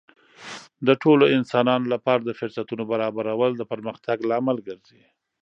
د ټولو انسانانو لپاره د فرصتونو برابرول د پرمختګ لامل ګرځي.